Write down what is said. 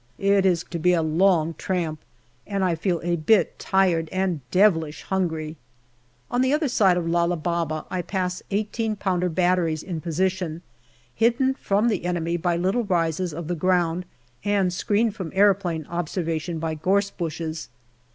It is to be a long tramp, and I feel a bit tired and devilish hungry. On the other side of Lala 204 GALLIPOLI DIARY Baba I pass i8 pounder batteries in position, hidden from the enemy by little rises of the ground and screened from aeroplane observation by gorse bushes.